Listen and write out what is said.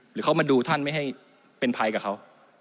หรือเขามาดูท่านไม่ให้เป็นภัยกับเขา